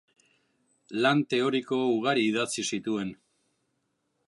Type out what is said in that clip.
Lan teoriko ugari idatzi zituen.